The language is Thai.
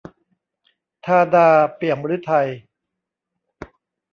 ธาดา เปี่ยมฤทัย